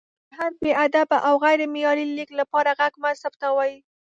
د هر بې ادبه او غیر معیاري لیک لپاره غږ مه ثبتوئ!